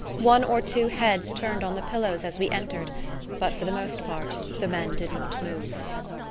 One or two heads turned on the pillows as we entered, but for the most part the men did not move.